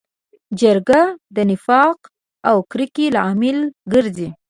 جګړه د نفاق او کرکې لامل ګرځي